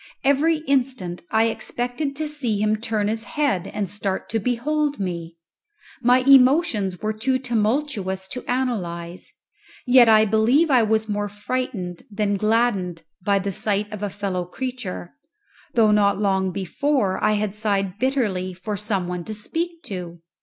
Every instant I expected to see him turn his head and start to behold me. My emotions were too tumultuous to analyze, yet I believe I was more frightened than gladdened by the sight of a fellow creature, though not long before I had sighed bitterly for some one to speak to.